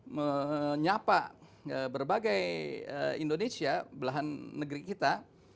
menyapa berbagai indonesia belahan negeri kita